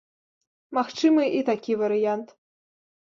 Магчымы і такі варыянт.